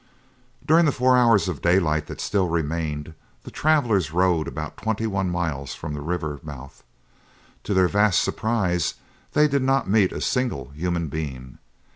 During the four hours of daylight that still remained, the travelers rode about twenty one miles from the river mouth. To their vast surprise, they did not meet a single human being.